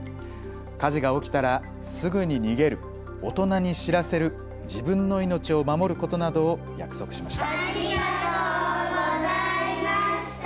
火事が起きたらすぐに逃げる、大人に知らせる、自分の命を守ることなどを約束しました。